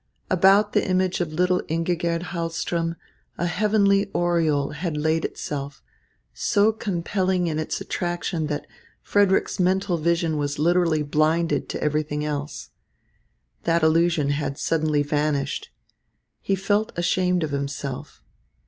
About the image of little Ingigerd Hahlström, a heavenly aureole had laid itself, so compelling in its attraction that Frederick's mental vision was literally blinded to everything else. That illusion had suddenly vanished. He felt ashamed of himself.